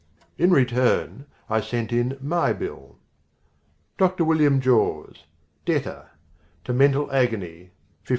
In return I sent in my bill: DR. WILLIAM JAWS DEBTOR To mental agony $50.